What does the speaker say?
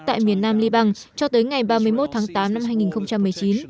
tại miền nam liban cho tới ngày ba mươi một tháng tám năm hai nghìn một mươi chín